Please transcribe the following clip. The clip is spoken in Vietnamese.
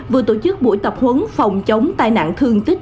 vừa tổ chức buổi tập huấn phòng chống tai nạn thương tích